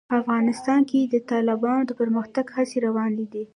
افغانستان کې د تالابونه د پرمختګ هڅې روانې دي.